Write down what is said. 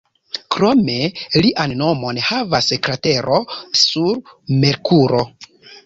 Krome, lian nomon havas kratero sur Merkuro.